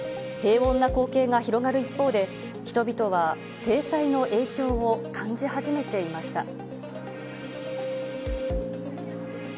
平穏な光景が広がる一方で、人々は制裁の影響を感じ始めていました。